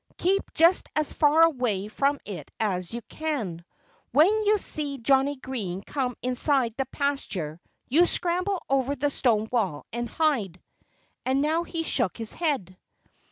Keep just as far away from it as you can! When you see Johnnie Green come inside the pasture you scramble over the stone wall and hide!" And now he shook his head.